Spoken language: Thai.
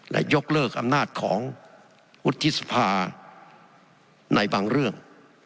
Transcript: และยกเลิกอำนาจของวุฒิสภาในบางเรื่อง